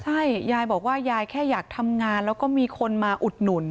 ใช่ยายบอกว่ายายแค่อยากทำงานแล้วก็มีคนมาอุดหนุน